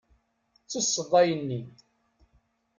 Ttesseḍ ayen-nni.